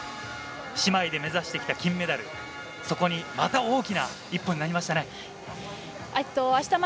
姉妹で目指してきた金メダル、そこにまた大きな一歩になりましたね。